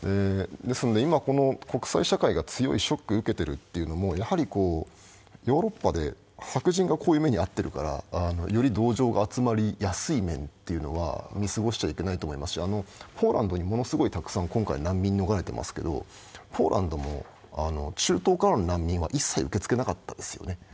ですので今、この国際社会が強いショックを受けてるというのもやはりヨーロッパで白人がこういう目に遭ってるからより同情が集まりやすい面は見過ごしてはいけないと思いますし、ポーランドにものすごいたくさん今回、難民が逃れてますけど、ポーランドも中東からの難民は一切受け付けなかったですよね。